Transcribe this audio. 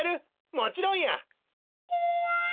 もちろんや！